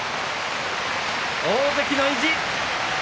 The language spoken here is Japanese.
大関の意地。